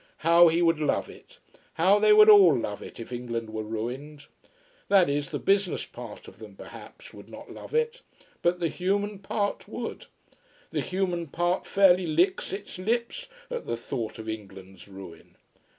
How he would love it how they would all love it, if England were ruined. That is, the business part of them, perhaps, would not love it. But the human part would. The human part fairly licks its lips at the thought of England's ruin.